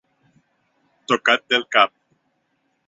Tocat del cap.